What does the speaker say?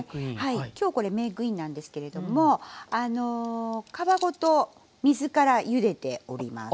今日これメークインなんですけれども皮ごと水からゆでております。